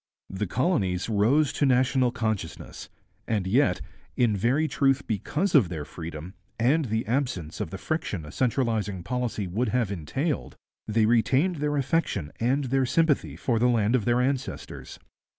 The colonies rose to national consciousness, and yet, in very truth because of their freedom, and the absence of the friction a centralizing policy would have entailed, they retained their affection and their sympathy for the land of their ancestors.